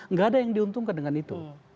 nggak ada yang diuntungkan dengan itu